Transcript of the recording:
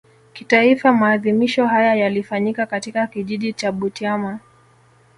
Kitaifa maadhimisho haya yalifanyika katika Kijiji cha Butiama